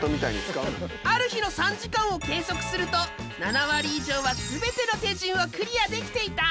ある日の３時間を計測すると７割以上は全ての手順をクリアできていた。